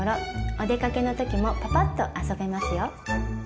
お出かけの時もパパッと遊べますよ。